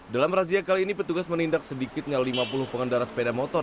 dalam razia kali ini petugas menindak sedikitnya lima puluh pengendara sepeda motor